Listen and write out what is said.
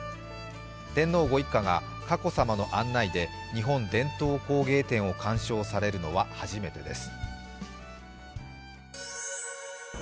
天皇ご一家が佳子さまの案内で日本伝統工芸展の鑑賞をされるのは初めてです。